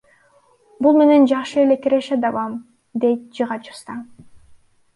Бул менен жакшы эле киреше табам, — дейт жыгач уста.